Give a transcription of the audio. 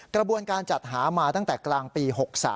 กระบวนการจัดหามาตั้งแต่กลางปี๖๓